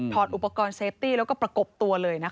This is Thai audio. อดอุปกรณ์เซฟตี้แล้วก็ประกบตัวเลยนะคะ